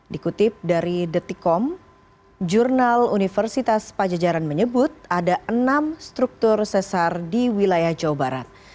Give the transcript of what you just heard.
dikutip dari detikom jurnal universitas pajajaran menyebut ada enam struktur sesar di wilayah jawa barat